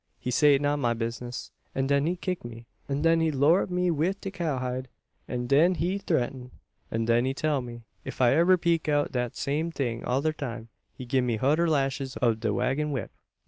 He say it not my bizness; an den he kick me; an den he larrup me wif de cow hide; an den he threaten; an den he tell me, if I ebber 'peak bout dat same ting odder time, he gib me hunder lashes ob de wagon whip.